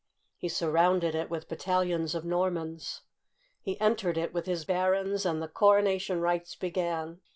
He surrounded it with battalions of Normans. He en tered it with his barons, and the coronation rites began.